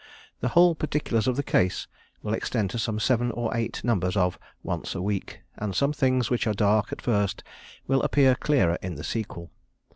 The whole particulars of the case will extend to some seven or eight numbers of "Once a Week" and some things which are dark at first will appear clearer in the sequel.